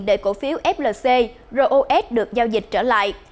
để cổ phiếu flc ros được giao dịch trở lại